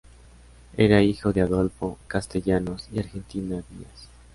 Era hijo de Adolfo Castellanos y Argentina Díaz.